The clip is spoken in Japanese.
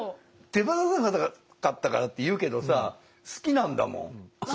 手放さなかったからって言うけどさ好きなんだもん。